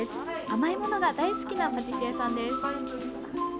甘いものが大好きなパティシエさんです。